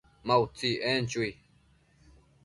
Ma utsi, en chui